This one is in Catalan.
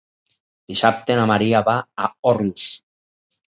Dissabte na Maria va a Òrrius.